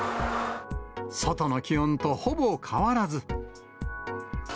外の気温とほぼ変わらず。